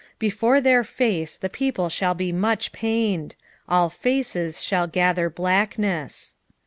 2:6 Before their face the people shall be much pained: all faces shall gather blackness.